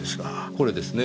これですね。